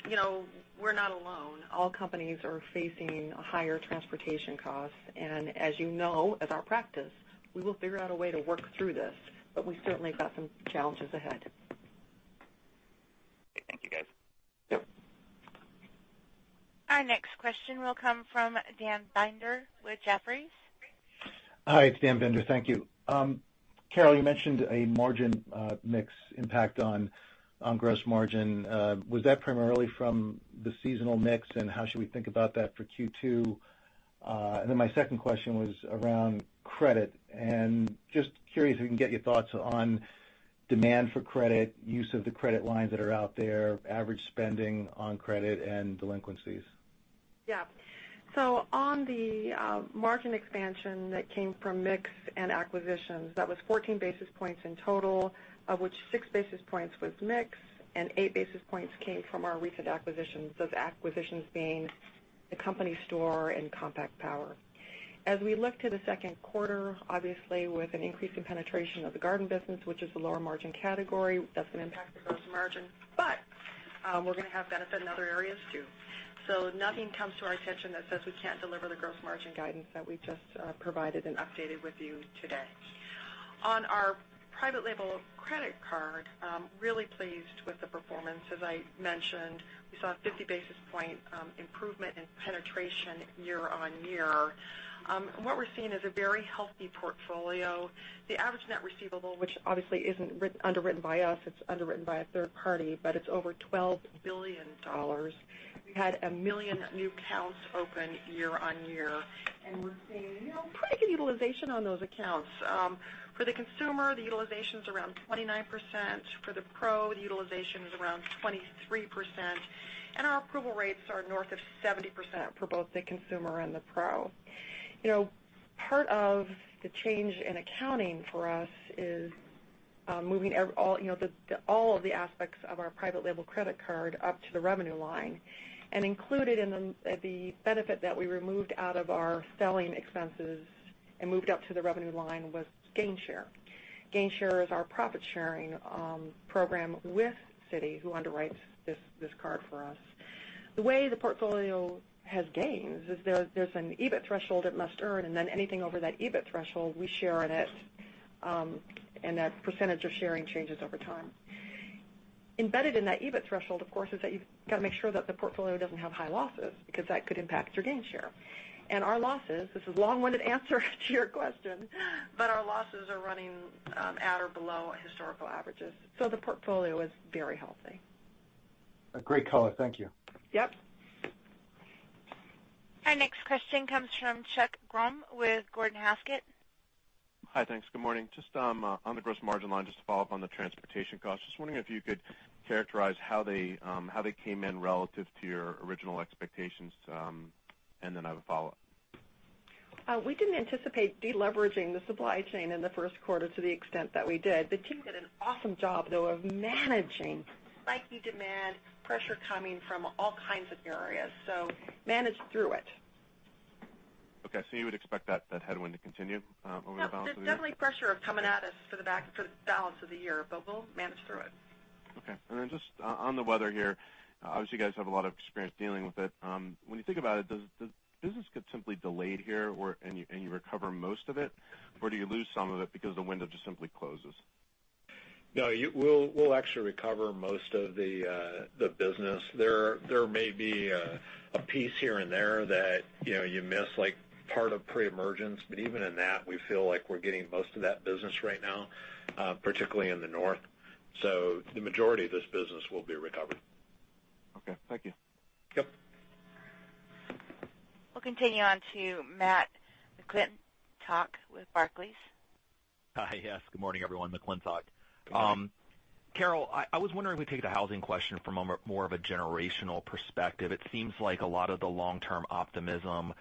You know, we're not alone. All companies are facing higher transportation costs. As you know, as our practice, we will figure out a way to work through this, but we've certainly got some challenges ahead. Okay, thank you, guys. Our next question will come from Dan Binder with Jefferies. Hi, it's Dan Binder. Thank you. Carol, you mentioned a margin mix impact on gross margin. Was that primarily from the seasonal mix, and how should we think about that for Q2? My second question was around credit. Just curious if we can get your thoughts on demand for credit, use of the credit lines that are out there, average spending on credit and delinquencies. On the margin expansion that came from mix and acquisitions, that was 14 basis points in total, of which 6 basis points was mix and 8 basis points came from our recent acquisitions. Those acquisitions being The Company Store and Compact Power. As we look to the second quarter, obviously with an increase in penetration of the garden business, which is a lower margin category, that's gonna impact the gross margin. We're gonna have benefit in other areas too. Nothing comes to our attention that says we can't deliver the gross margin guidance that we just provided and updated with you today. On our private label credit card, really pleased with the performance. As I mentioned, we saw a 50 basis point improvement in penetration year-on-year. What we're seeing is a very healthy portfolio. The average net receivable, which obviously isn't underwritten by us, it's underwritten by a third party, it's over $12 billion. We had a million new accounts open year on year, We're seeing, you know, pretty good utilization on those accounts. For the consumer, the utilization's around 29%. For the pro, the utilization is around 23%. Our approval rates are north of 70% for both the consumer and the pro. You know, part of the change in accounting for us is moving all of the aspects of our private label credit card up to the revenue line. Included in the benefit that we removed out of our selling expenses and moved up to the revenue line was gain share. Gain share is our profit sharing program with Citi, who underwrites this card for us. The way the portfolio has gains is there's an EBIT threshold it must earn, and then anything over that EBIT threshold, we share in it, and that percentage of sharing changes over time. Embedded in that EBIT threshold, of course, is that you've gotta make sure that the portfolio doesn't have high losses because that could impact your gain share. Our losses, this is a long-winded answer to your question, but our losses are running at or below historical averages, so the portfolio is very healthy. A great color. Thank you. Yep. Our next question comes from Chuck Grom with Gordon Haskett. Hi. Thanks. Good morning. On the gross margin line, to follow up on the transportation costs. Wondering if you could characterize how they came in relative to your original expectations. I have a follow-up. We didn't anticipate deleveraging the supply chain in the first quarter to the extent that we did. The team did an awesome job, though, of managing spiky demand pressure coming from all kinds of areas. Managed through it. Okay. You would expect that headwind to continue over the balance of the year? No, there's definitely pressure of coming at us for the balance of the year, but we'll manage through it. Okay. Just on the weather here, obviously, you guys have a lot of experience dealing with it. When you think about it, does business get simply delayed here or, and you recover most of it? Or do you lose some of it because the window just simply closes? No, we'll actually recover most of the business. There may be a piece here and there that, you know, you miss, like part of pre-emergence, but even in that, we feel like we're getting most of that business right now, particularly in the north. The majority of this business will be recovered. Okay. Thank you. Yep. We'll continue on to Matt McClintock with Barclays. Hi. Yes. Good morning, everyone. McClintock. Carol, I was wondering if we could take the housing question from a more of a generational perspective. It seems like a lot of the long-term optimism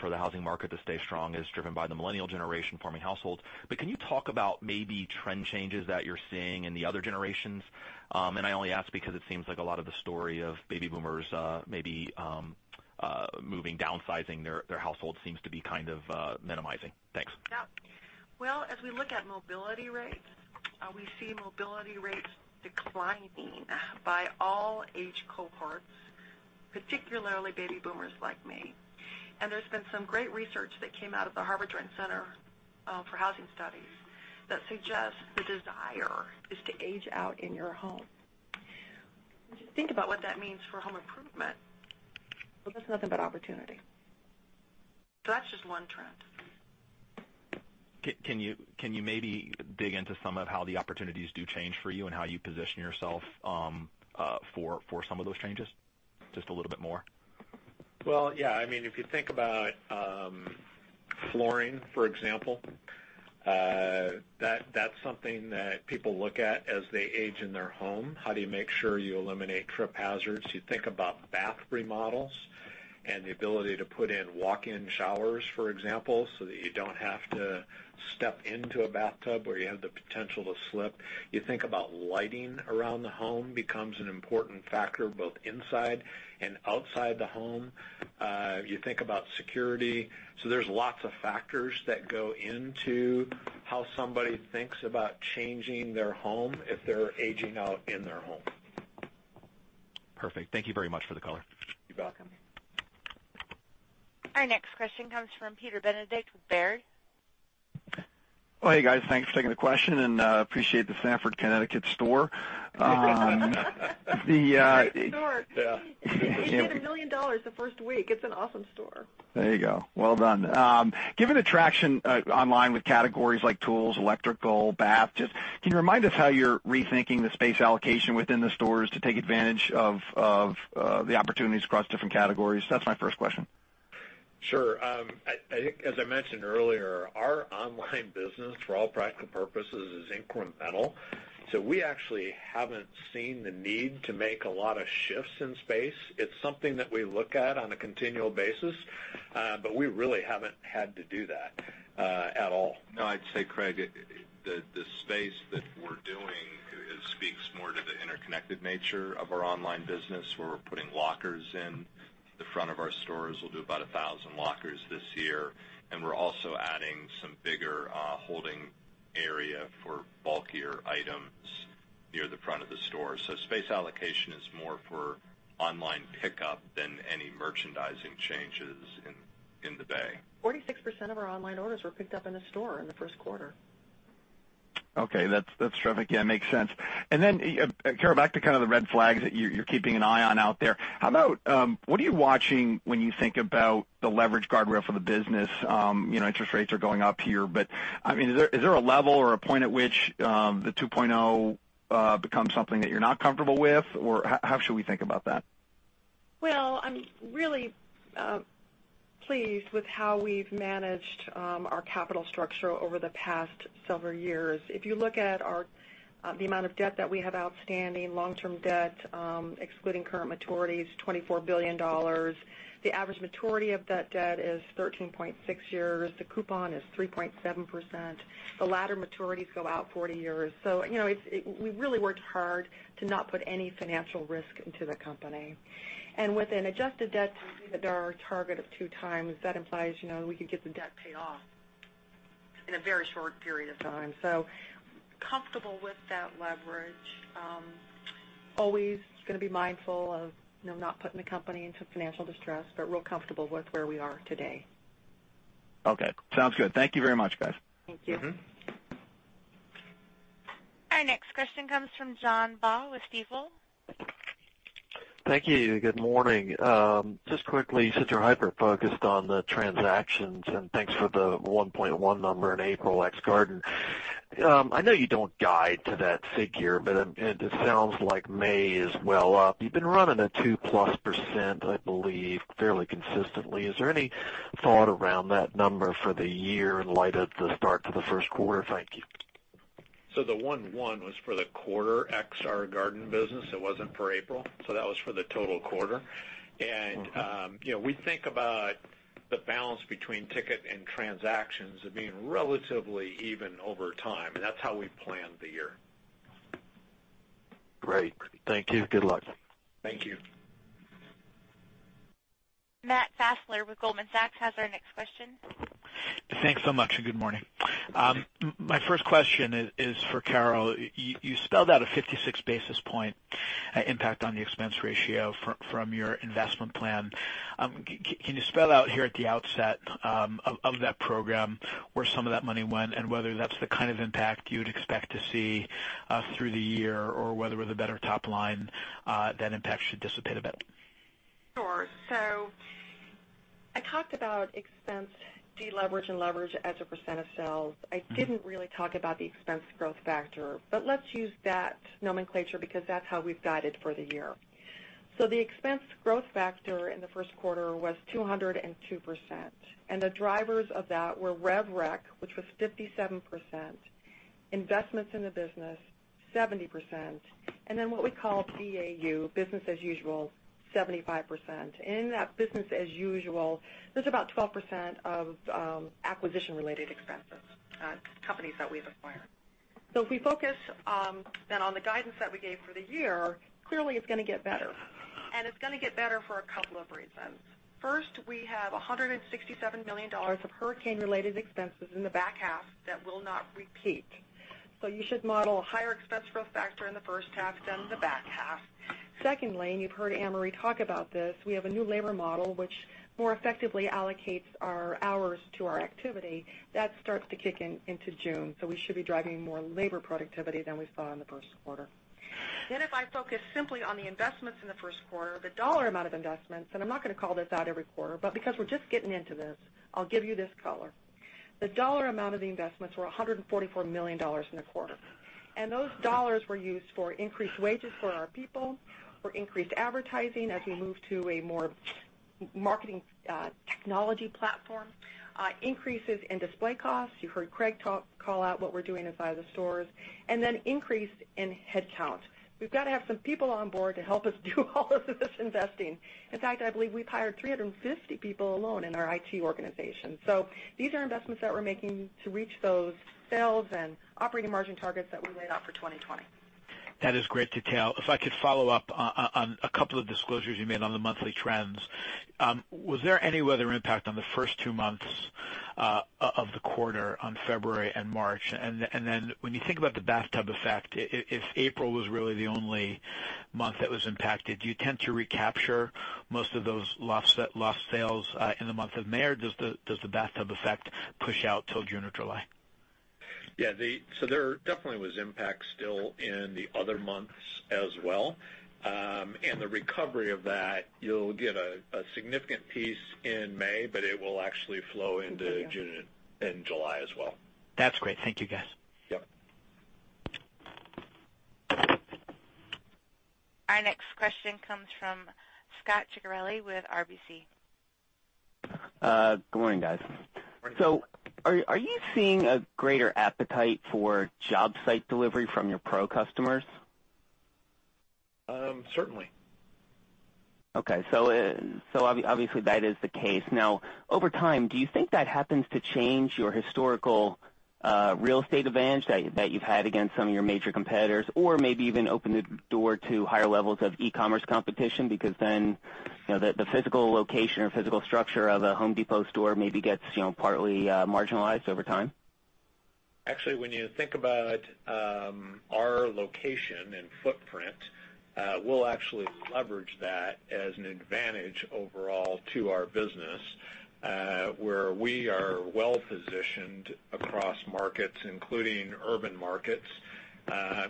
for the housing market to stay strong is driven by the millennial generation forming households. Can you talk about maybe trend changes that you're seeing in the other generations? And I only ask because it seems like a lot of the story of baby boomers, maybe moving, downsizing their household seems to be kind of minimizing. Thanks. Well, as we look at mobility rates, we see mobility rates declining by all age cohorts, particularly baby boomers like me. There's been some great research that came out of the Harvard Joint Center for Housing Studies that suggests the desire is to age out in your home. If you think about what that means for home improvement, well, that's nothing but opportunity. That's just one trend. Can you maybe dig into some of how the opportunities do change for you and how you position yourself for some of those changes just a little bit more? Well, yeah. I mean, if you think about flooring, for example, that's something that people look at as they age in their home. How do you make sure you eliminate trip hazards? You think about bath remodels and the ability to put in walk-in showers, for example, so that you don't have to step into a bathtub where you have the potential to slip. You think about lighting around the home becomes an important factor both inside and outside the home. You think about security. There's lots of factors that go into how somebody thinks about changing their home if they're aging out in their home. Perfect. Thank you very much for the color. You're welcome. Our next question comes from Peter Benedict with Baird. Oh, hey, guys. Thanks for taking the question. Appreciate the Stamford, Connecticut store. Great store. Yeah. It made $1 million the first week. It's an awesome store. There you go. Well done. Given the traction online with categories like tools, electrical, bath, just can you remind us how you're rethinking the space allocation within the stores to take advantage of the opportunities across different categories? That's my first question. Sure. I think as I mentioned earlier, our online business for all practical purposes is incremental. We actually haven't seen the need to make a lot of shifts in space. It's something that we look at on a continual basis. We really haven't had to do that at all. I'd say, Craig, the space that we're doing speaks more to the interconnected nature of our online business, where we're putting lockers in the front of our stores. We'll do about 1,000 lockers this year. We're also adding some bigger holding area for bulkier items near the front of the store. Space allocation is more for online pickup than any merchandising changes in the bay. 46% of our online orders were picked up in a store in the first quarter. Okay. That's terrific. Yeah, makes sense. Carol, back to kinda the red flags that you're keeping an eye on out there, how about what are you watching when you think about the leverage guardrail for the business? You know, interest rates are going up here, but, I mean, is there a level or a point at which the 2.0 becomes something that you're not comfortable with? How should we think about that? Well, I'm really pleased with how we've managed our capital structure over the past several years. If you look at our the amount of debt that we have outstanding, long-term debt, excluding current maturities, $24 billion. The average maturity of that debt is 13.6 years. The coupon is 3.7%. The latter maturities go out 40 years. You know, we really worked hard to not put any financial risk into the company. With an adjusted debt to EBITDA target of 2x, that implies, you know, we could get the debt paid off in a very short period of time. Comfortable with that leverage. Always gonna be mindful of, you know, not putting the company into financial distress, but real comfortable with where we are today. Okay. Sounds good. Thank you very much, guys. Thank you. Our next question comes from John Baugh with Stifel. Thank you. Good morning. Just quickly, since you're hyper-focused on the transactions, and thanks for the 1.1 number in April ex Garden. I know you don't guide to that figure, but it sounds like May is well up. You've been running a 2%+ I believe, fairly consistently. Is there any thought around that number for the year in light of the start to the first quarter? Thank you. The one one was for the quarter ex our Garden business. It wasn't for April, so that was for the total quarter. You know, we think about the balance between ticket and transactions as being relatively even over time. That's how we planned the year. Great. Thank you. Good luck. Thank you. Matt Fassler with Goldman Sachs has our next question. Thanks so much, and good morning. My first question is for Carol. You spelled out a 56 basis point impact on the expense ratio from your investment plan. Can you spell out here at the outset of that program where some of that money went and whether that's the kind of impact you'd expect to see through the year, or whether with a better top line, that impact should dissipate a bit? Sure. I talked about expense deleverage and leverage as a percent of sales. I didn't really talk about the expense growth factor, but let's use that nomenclature because that's how we've guided for the year. The expense growth factor in the first quarter was 202%, and the drivers of that were revenue recognition, which was 57%, investments in the business, 70%, and then what we call BAU, business as usual, 75%. In that business as usual, there's about 12% of acquisition-related expenses, companies that we've acquired. If we focus then on the guidance that we gave for the year, clearly it's gonna get better. It's gonna get better for a couple of reasons. First, we have $167 million of hurricane-related expenses in the back half that will not repeat. You should model a higher expense growth factor in the first half than the back half. Secondly, you've heard Ann-Marie talk about this, we have a new labor model which more effectively allocates our hours to our activity. That starts to kick in, into June, we should be driving more labor productivity than we saw in the first quarter. If I focus simply on the investments in the first quarter, the dollar amount of investments, I'm not gonna call this out every quarter, because we're just getting into this, I'll give you this color. The dollar amount of the investments were $144 million in the quarter. Those dollars were used for increased wages for our people, for increased advertising as we move to a more marketing technology platform, increases in display costs. You heard Craig call out what we're doing inside of the stores, increase in head count. We've gotta have some people on board to help us do all of this investing. In fact, I believe we've hired 350 people alone in our IT organization. These are investments that we're making to reach those sales and operating margin targets that we laid out for 2020. That is great detail. If I could follow up on a couple of disclosures you made on the monthly trends. Was there any weather impact on the first two months of the quarter, on February and March? Then when you think about the bathtub effect, if April was really the only month that was impacted, do you tend to recapture most of those lost sales in the month of May, or does the bathtub effect push out till June or July? There definitely was impact still in the other months as well. The recovery of that, you'll get a significant piece in May, but it will actually flow into June and July as well. That's great. Thank you, guys. Yep. Our next question comes from Scot Ciccarelli with RBC. Good morning, guys. Morning. Are you seeing a greater appetite for job site delivery from your pro customers? Certainly. Okay. Obviously that is the case. Over time, do you think that happens to change your historical real estate advantage that you've had against some of your major competitors? Maybe even open the door to higher levels of e-commerce competition because then, you know, the physical location or physical structure of a Home Depot store maybe gets, you know, partly marginalized over time? Actually, when you think about our location and footprint, we'll actually leverage that as an advantage overall to our business, where we are well-positioned across markets, including urban markets,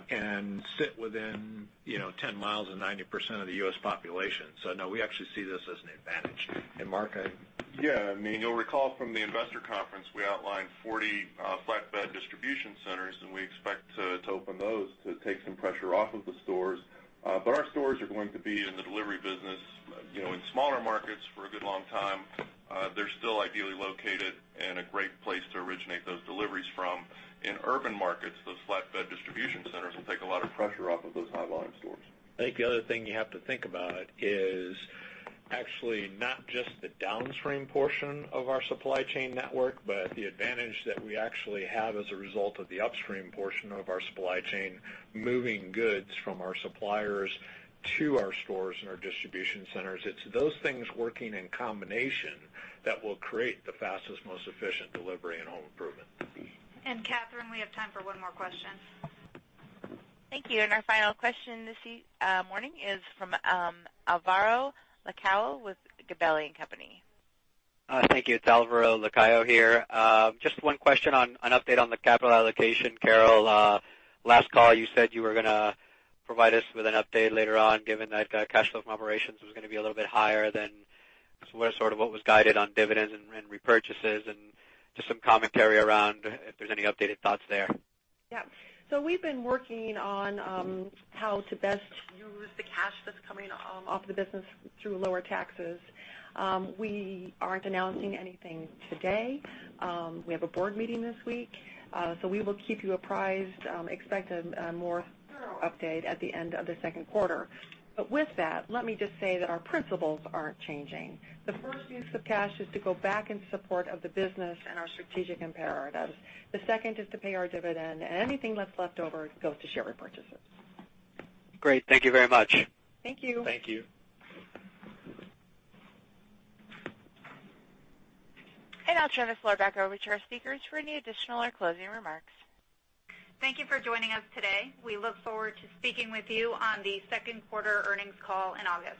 and sit within, you know, 10 mi of 90% of the U.S. population. No, we actually see this as an advantage. Mark. I mean, you'll recall from the investor conference, we outlined 40 flatbed distribution centers, and we expect to open those to take some pressure off of the stores. Our stores are going to be in the delivery business, you know, in smaller markets for a good long time. They're still ideally located and a great place to originate those deliveries from. In urban markets, those flatbed distribution centers will take a lot of pressure off of those high-volume stores. I think the other thing you have to think about is actually not just the downstream portion of our supply chain network, but the advantage that we actually have as a result of the upstream portion of our supply chain, moving goods from our suppliers to our stores and our distribution centers. It's those things working in combination that will create the fastest, most efficient delivery in home improvement. Operator, we have time for one more question. Thank you. Our final question this morning is from Alvaro Lacayo with Gabelli & Company. Thank you. It's Alvaro Lacayo here. Just one question on an update on the capital allocation. Carol, last call you said you were going to provide us with an update later on given that cash flow from operations was going to be a little bit higher than sort of what was guided on dividends and repurchases. Just some commentary around if there's any updated thoughts there. Yeah. We've been working on how to best use the cash that's coming off the business through lower taxes. We aren't announcing anything today. We have a board meeting this week, so we will keep you apprised. Expect a more thorough update at the end of the second quarter. With that, let me just say that our principles aren't changing. The first use of cash is to go back in support of the business and our strategic imperatives. The second is to pay our dividend. Anything that's left over goes to share repurchases. Great. Thank you very much. Thank you. Thank you. I'll turn the floor back over to our speakers for any additional or closing remarks. Thank you for joining us today. We look forward to speaking with you on the second quarter earnings call in August.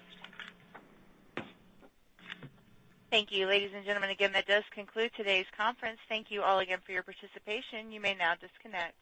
Thank you. Ladies and gentlemen, again, that does conclude today's conference. Thank you all again for your participation. You may now disconnect.